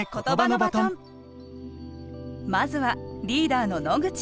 まずはリーダーの野口。